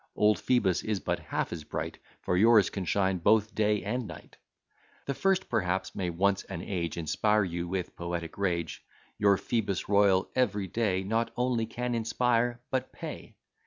Old Phoebus is but half as bright, For yours can shine both day and night. The first, perhaps, may once an age Inspire you with poetic rage; Your Phoebus Royal, every day, Not only can inspire, but pay.